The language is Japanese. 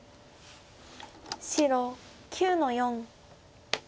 白９の四。